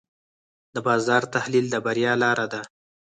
د بازار تحلیل د بریا لاره ده.